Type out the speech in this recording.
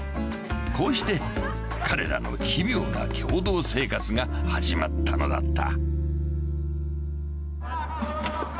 ［こうして彼らの奇妙な共同生活が始まったのだった］